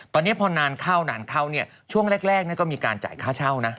ตอนนี้พอนานเข้านานเข้าเนี่ยช่วงแรกก็มีการจ่ายค่าเช่านะ